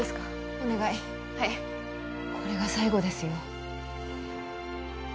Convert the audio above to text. お願いはいこれが最後ですよ